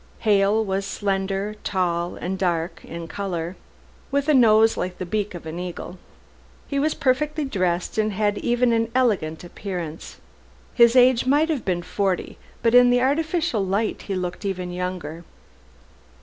Hale was slender, tall, and dark in color, with a nose like the beak of an eagle. He was perfectly dressed and had even an elegant appearance. His age might have been forty, but in the artificial light he looked even younger.